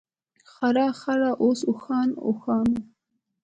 خر، خره، اوښ ، اوښان ، اوښانو .